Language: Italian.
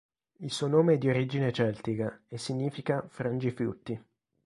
Il suo nome è di origine celtica e significa "frangiflutti".